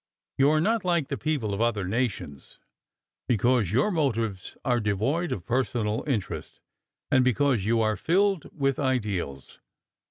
You are not like the people of other nations, because your motives are devoid of personal interest, and because you are filled with ideals.